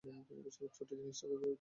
ছুটি জিনিসটা খুব বিরক্তিকর।